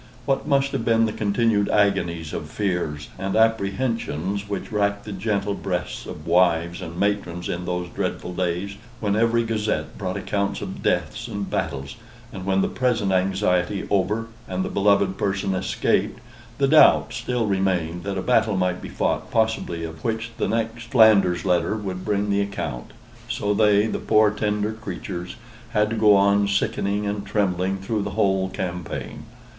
What must have been the continued agonies of fears* and apprehensions which racked the gentle breasts of wives and matrons in those dreadful days, when every Gazette brought accounts of deaths and battles, and when the present anxiety over, and the beloved person escaped, the doubt still remained that a battle might be fought, possibly, of which the next Flanders letter would bring the account; so they, the poor tender creatures, had to go on sickening and trembling through the whole campaign.